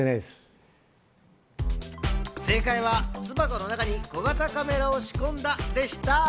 正解は、巣箱の中に小型カメラを仕込んだでした。